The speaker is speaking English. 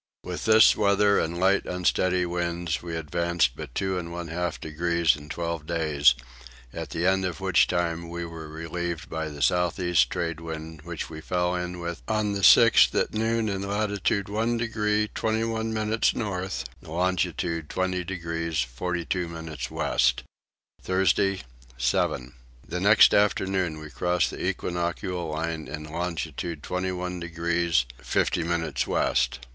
With this weather and light unsteady winds we advanced but 2 1/2 degrees in twelve days; at the end of which time we were relieved by the south east tradewind which we fell in with on the 6th at noon in latitude 1 degree 21 minutes north and longitude 20 degrees 42 minutes west. Thursday 7. The next afternoon we crossed the equinoctial line in longitude 21 degrees 50 minutes west.